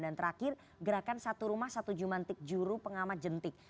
dan terakhir gerakan satu rumah satu jumantik juru pengamat jentik